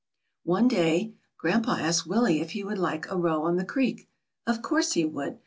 One day grandpa asked Willie if he would like a row on the creek. Of course he would.